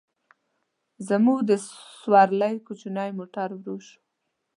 زموږ د سورلۍ کوچنی موټر ورو شو.